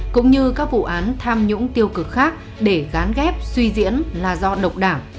cũng như các vụ án tham nhũng tiêu cực khác để gán ghép suy diễn là do độc đảng